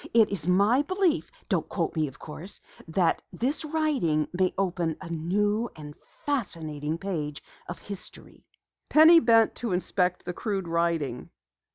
It is my belief don't quote me, of course that this writing may open a new and fascinating page of history." Penny bent to inspect the crude writing.